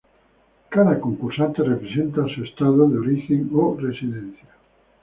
Cada concursante representa a su Estado de origen o residencia.